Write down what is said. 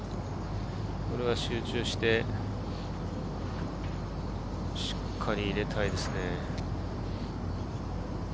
これは集中して、しっかり入れたいですね。